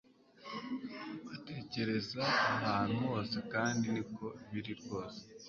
Batekereza ahantu hose kandi niko biri rwose